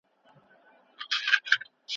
افغانان د خپلواکۍ لپاره جګړه وکړه